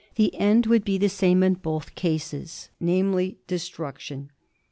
The end would be the same in both cases, namely, destruction.